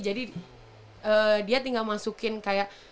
dia tinggal masukin kayak